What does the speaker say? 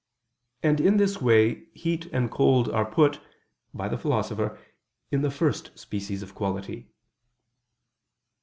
And in this way heat and cold are put, by the Philosopher, in the first species of quality.